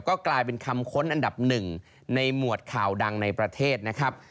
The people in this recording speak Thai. ก็กลายเป็นคำค้นอันดับหนึ่งในหมวดข่าวดังในประเทศนะครับ